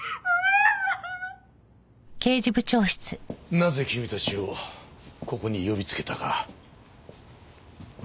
なぜ君たちをここに呼びつけたかわかるな？